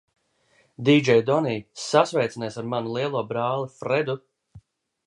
Dīdžej Donij, sasveicinies ar manu lielo brāli Fredu!